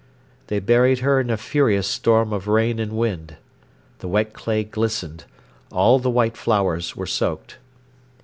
They buried her in a furious storm of rain and wind. The wet clay glistened, all the white flowers were soaked.